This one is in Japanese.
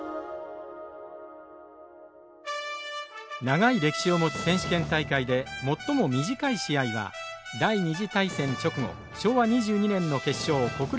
長い歴史を持つ選手権大会で最も短い試合は第２次大戦直後昭和２２年の決勝小倉中学対岐阜商業です。